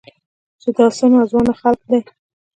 چې دا څه ناځوانه خلق دي.